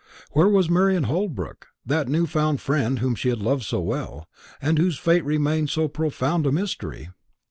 Where was Marian Holbrook, that new found friend whom she had loved so well, and whose fate remained so profound a mystery?